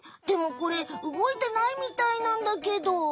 でもこれ動いてないみたいなんだけど。